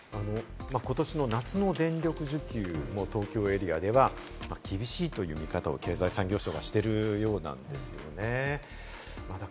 今年の夏の電力需給も東京エリアでは、厳しいという見方を経済産業省はしているようなんですよね。